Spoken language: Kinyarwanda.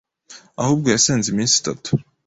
ahubwo yasenze iminsi itatu